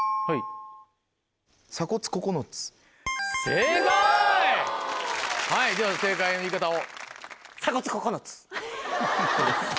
正解！では正解の言い方を。